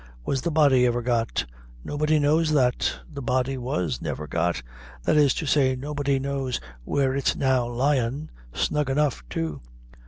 was the body ever got?" "Nobody knows that the body was never got that is to say nobody knows where it's now lyin', snug enough too."